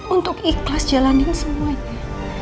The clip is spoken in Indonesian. untuk ikhlas jalanin semuanya